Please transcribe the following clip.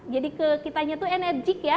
jadi ke kitanya itu enerjik ya